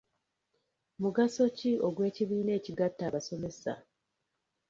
Mugaso ki ogw'ekibiina ekigatta abasomesa?